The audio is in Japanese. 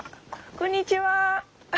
こんにちは。